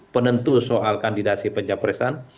penentu soal kandidasi pencapaian